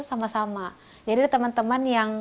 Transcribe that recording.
sama sama jadi ada teman teman yang